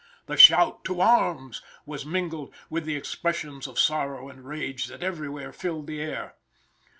The shout "to arms!" was mingled with the expressions of sorrow and rage that everywhere filled the air.